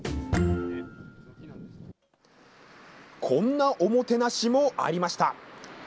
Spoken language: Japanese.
こんなおもてなしもありました。